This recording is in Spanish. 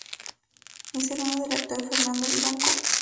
Es hermano del actor Fernando Vivanco.